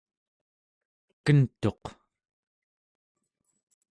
kentuq